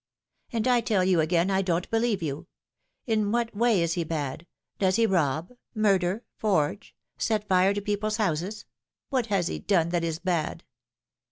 " And I tell you again I don't believe you. In what way ia he bad ? Does he rob, murder, forge, set fire to people's houses ? What has he done that is bad